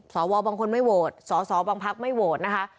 สวบางคนไม่โหวตสอสอบางพักไม่โหวตนะคะ